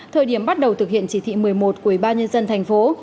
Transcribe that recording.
thời điểm bắt đầu thực hiện chỉ thị một mươi một của bà nhân dân thành phố